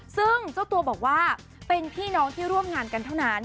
ซึ่งเจ้าตัวบอกว่าเป็นพี่น้องที่ร่วมงานกันเท่านั้น